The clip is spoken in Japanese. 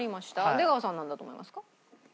出川さんはなんだと思いますか？